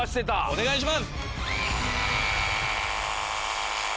お願いします！